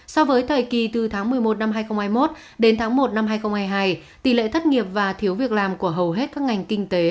so với thời kỳ từ tháng một mươi một năm hai nghìn hai mươi một đến tháng một năm hai nghìn hai mươi hai tỷ lệ thất nghiệp và thiếu việc làm của hầu hết các ngành kinh tế